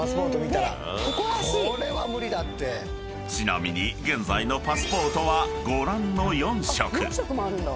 ［ちなみに現在のパスポートはご覧の４色］